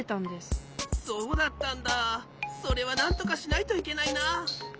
そうだったんだそれはなんとかしないといけないな。